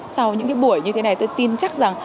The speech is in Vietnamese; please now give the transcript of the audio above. sau những cái buổi như thế này tôi tin chắc rằng